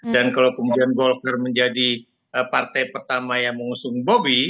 dan kalau kemudian golkar menjadi partai pertama yang mengusung bobi